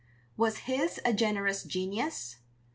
Was his a generous genius?